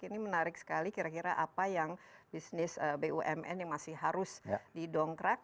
ini menarik sekali kira kira apa yang bisnis bumn yang masih harus didongkrak